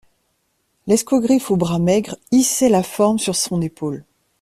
L'escogriffe aux bras maigres hissait la forme sur son épaule.